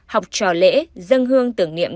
học trò lễ dân hương tưởng niệm